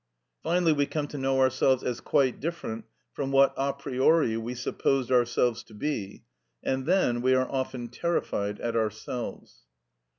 Finally we come to know ourselves as quite different from what a priori we supposed ourselves to be, and then we are often terrified at ourselves.